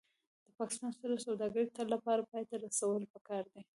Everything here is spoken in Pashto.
د پاکستان سره سوداګري د تل لپاره پای ته رسول پکار دي